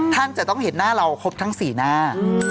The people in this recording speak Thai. ท่านจะต้องเห็นหน้าเราครบทั้ง๔หน้า